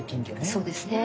そうですね。